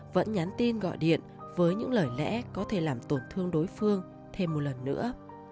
vẫn nhắn tin gọi điện với những lời lẽ có thể làm tổn thương đối phương thêm một lần nữa